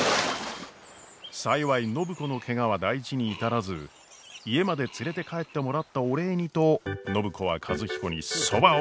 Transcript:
幸い暢子のケガは大事に至らず家まで連れて帰ってもらったお礼にと暢子は和彦にそばを振る舞うことにしました。